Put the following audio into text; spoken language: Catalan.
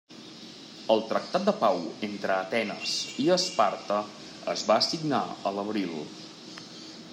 El tractat de pau entre Atenes i Esparta es va signar a l'abril.